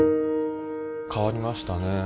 変わりましたね。